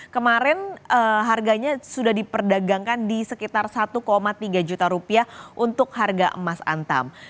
kemarin harganya sudah diperdagangkan di sekitar satu tiga juta rupiah untuk harga emas antam